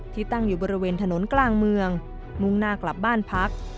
ตั้งอยู่บริเวณถนนกลางเมืองมุ่งหน้ากลับบ้านพัก